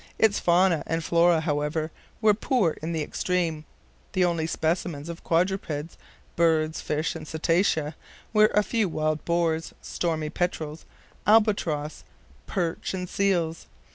Its FAUNA and FLORA, however, were poor in the extreme. The only specimens of quadrupeds, birds, fish and cetacea were a few wild boars, stormy petrels, albatrosses, perch and seals.